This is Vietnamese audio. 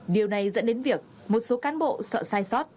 điều này dẫn đến việc một số cán bộ sợ sai sót